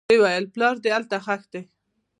ويې ويل پلار دې هلته ښخ دى.